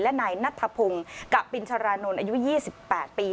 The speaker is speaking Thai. และนายนัทธพงศ์กะปินชรานนท์อายุ๒๘ปี